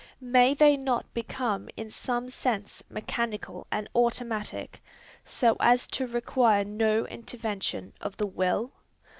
May they not become in some sense mechanical and automatic, so as to require no intervention of the will?